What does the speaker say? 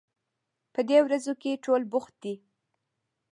په دې ورځو کې ټول بوخت دي